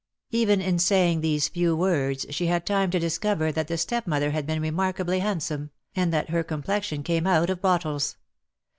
Even in saying these few words she had time to discover that the stepmother had been remark ably handsome, and that her complexion came out of bottles.